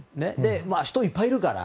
人いっぱいいるから。